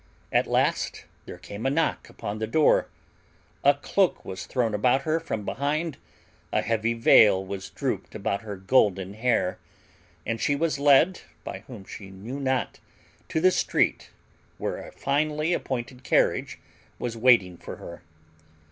At last there came a knock upon the door, a cloak was thrown about her from behind, a heavy veil was drooped about her golden hair, and she was led, by whom she knew not, to the street, where a finely appointed carriage was waiting for her.